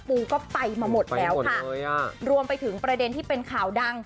ปูก็ไปมาหมดแล้วค่ะรวมไปถึงประเด็นที่เป็นข่าวดัง